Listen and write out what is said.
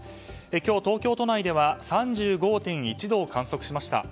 今日、東京都内では３５．１度を観測しました。